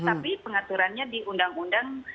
tapi pengaturannya di undang undang